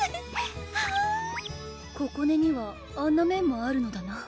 ここねにはあんな面もあるのだな